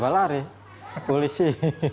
bawa lari polisi